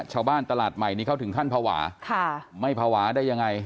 ชาวบ้านตลาดใหม่นี้เข้าถึงขั้นภาวะค่ะไม่ภาวะได้ยังไง